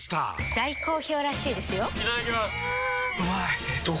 大好評らしいですよんうまい！